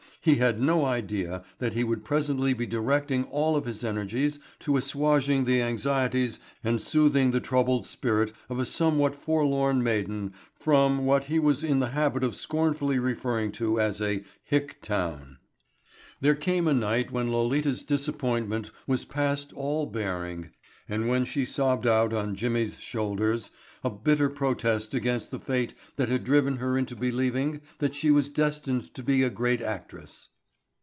He had no idea that he would presently be directing all of his energies to assuaging the anxieties and soothing the troubled spirit of a somewhat forlorn maiden from what he was in the habit of scornfully referring to as a "hick town." There came a night when Lolita's disappointment was past all bearing and when she sobbed out on Jimmy's shoulders a bitter protest against the fate that had driven her into believing that she was destined to be a great actress.